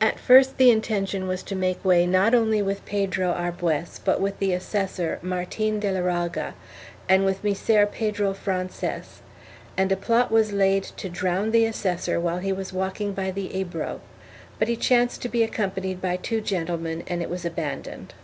2 At first the intention was to make way not only with Pedro Arbues but with the assessor, Martin de la Raga, and with Micer Pedro Frances, and a plot was laid to drown the assessor while he was walking by the Ebro, but he chanced to be accompanied by two gentlemen and it was abandoned.